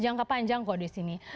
jangka panjang kok di sini